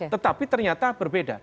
tetapi ternyata berbeda